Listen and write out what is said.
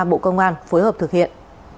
bộ công an phối hợp thực hiện